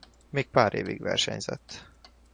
Még pár évig versenyzett.